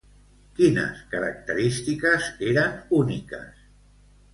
Quines característiques eren úniques?